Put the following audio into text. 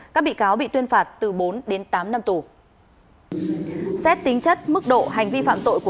các bị cáo bị tuyên phạt từ bốn đến tám năm tù